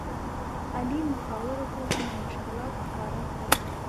علي مخورو ته ځینې مشکلات ښکاره کړل.